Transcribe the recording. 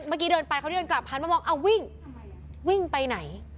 เมื่อกี้เดินไปเขาเดินกลับหันมามองอ่าวิ่งวิ่งไปไหน